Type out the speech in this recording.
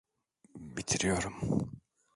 Bitiriyorum.